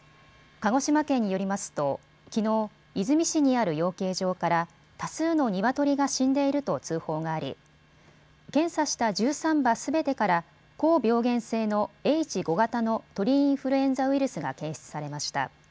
鹿児島県によりますときのう、出水市にある養鶏場から多数のニワトリが死んでいると通報があり検査した１３羽すべてから高病原性のＨ５型の鳥インフルエンザウイルスが検出されました。